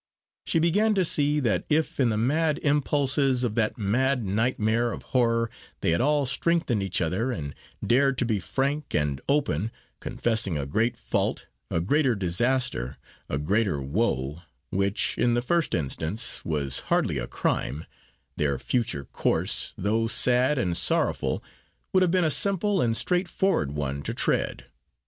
She began to see that if in the mad impulses of that mad nightmare of horror, they had all strengthened each other, and dared to be frank and open, confessing a great fault, a greater disaster, a greater woe which in the first instance was hardly a crime their future course, though sad and sorrowful, would have been a simple and straightforward one to tread.